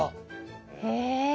へえ！